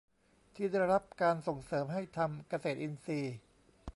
ที่ได้รับการส่งเสริมให้ทำเกษตรอินทรีย์